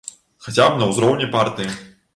Хаця б на ўзроўні партыі.